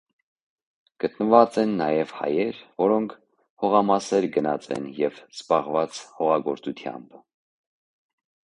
Գտնուած են նաեւ հայեր, որոնք հողամասեր գնած են եւ զբաղուած հողագործութեամբ։